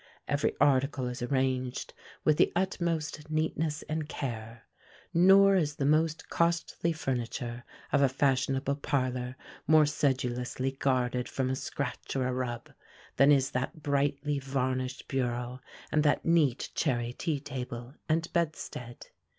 Every article is arranged with the utmost neatness and care; nor is the most costly furniture of a fashionable parlor more sedulously guarded from a scratch or a rub, than is that brightly varnished bureau, and that neat cherry tea table and bedstead.